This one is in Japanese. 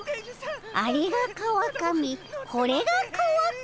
あれが川上これが川上」。